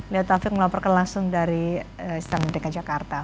lia taufik melaporkan langsung dari istana dki jakarta